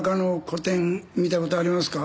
見たことありますか？